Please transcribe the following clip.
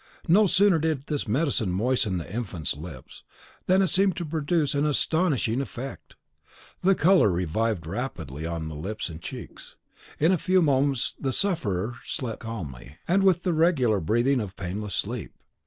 No sooner did this medicine moisten the infant's lips, than it seemed to produce an astonishing effect. The colour revived rapidly on the lips and cheeks; in a few moments the sufferer slept calmly, and with the regular breathing of painless sleep.